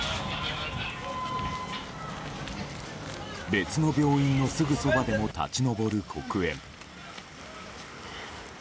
別の病院のすぐそばでも立ち上る黒煙。